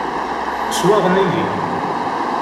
Swaɣen-iyi.